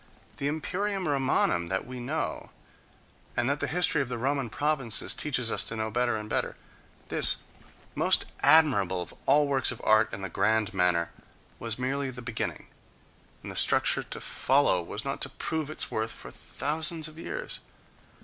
The imperium Romanum that we know, and that the history of the Roman provinces teaches us to know better and better,—this most admirable of all works of art in the grand manner was merely the beginning, and the structure to follow was not to prove its worth for thousands of years.